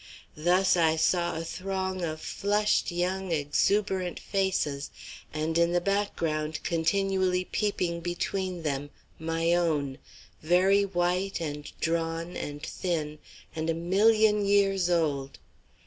Thus I saw a throng of flushed young exuberant faces, and in the background, continually peeping between them, my own, very white and drawn and thin and a million years old.